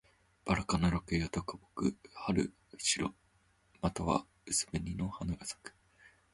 ばら科の落葉高木。春、白または薄紅の花が咲く。